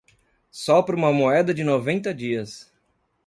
Sopra uma moeda de noventa dias